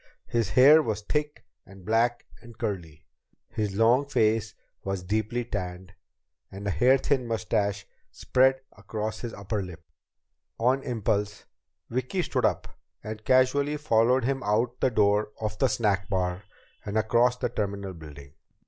His hair was thick and black and curly, his long face was deeply tanned, and a hair thin mustache spread across his upper lip. On impulse, Vicki stood up and casually followed him out the door of the snack bar and across the terminal building.